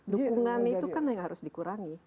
dukungan itu kan yang harus dikurangi